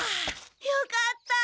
よかった！